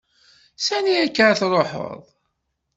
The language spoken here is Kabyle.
Sani akka ara truḥeḍ?